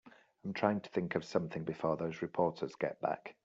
I'm trying to think of something before those reporters get back.